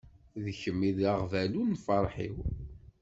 D kemm i d aɣbalu n lferḥ-iw.